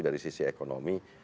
dari sisi ekonomi